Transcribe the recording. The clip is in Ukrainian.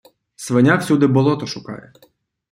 Свиня всюди болота шукає.